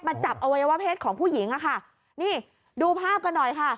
จับอวัยวะเพศของผู้หญิงอะค่ะนี่ดูภาพกันหน่อยค่ะ